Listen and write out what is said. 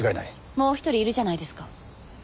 もう一人いるじゃないですか。